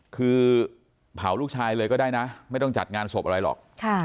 คือเผาลูกชายเลยก็ได้นะไม่ต้องจัดงานศพอะไรหรอก